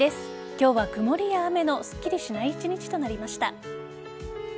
今日は曇りや雨のすっきりしない１日となりました。